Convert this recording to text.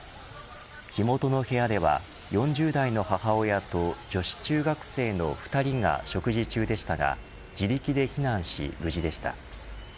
火元の部屋では４０代の母親と女子中学生の２人が食事中でしたが自力で避難し、無事でした。